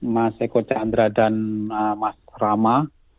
mas eko chandra dan mas rama